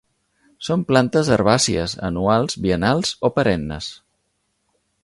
Són plantes herbàcies anuals, biennals o perennes.